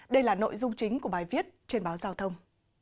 đây là nội dung chính của bài viết trên báo giao thông